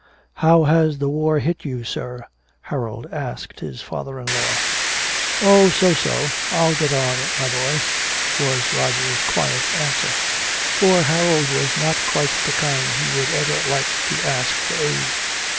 "How has the war hit you, sir?" Harold asked his father in law. "Oh, so so, I'll get on, my boy," was Roger's quiet answer. For Harold was not quite the kind he would ever like to ask for aid.